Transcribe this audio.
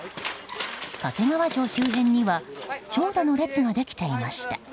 掛川城周辺には長蛇の列ができていました。